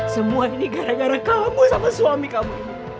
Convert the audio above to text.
semua ini gara gara kamu sama suami kamu